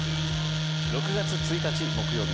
６月１日木曜日